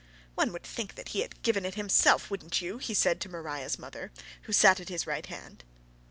"One would think that he had given it himself; wouldn't you?" he said to Maria's mother, who sat at his right hand.